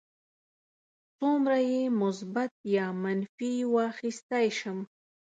څومره یې مثبت یا منفي واخیستی شم.